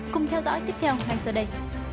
cùng theo dõi tiếp theo ngay sau đây